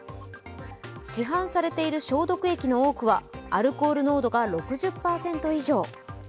市販されている消毒液の多くはアルコール濃度が６０％以上。